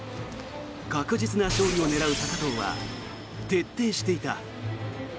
確実な勝利を狙う高藤は徹底していた。